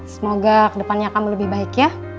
semoga ke depannya kamu lebih baik ya